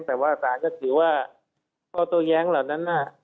แต่ว่าศาลก็ถือว่าข้อโต้แย้งเหล่านั้น